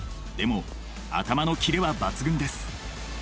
でも頭のキレは抜群です。